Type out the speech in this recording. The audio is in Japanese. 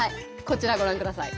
こちらご覧ください。